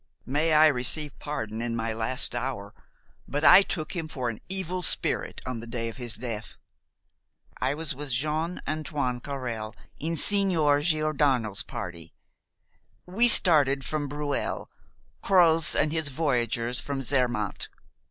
"May I receive pardon in my last hour, but I took him for an evil spirit on the day of his death! I was with Jean Antoine Carrel in Signor Giordano's party. We started from Breuil, Croz and his voyageurs from Zermatt.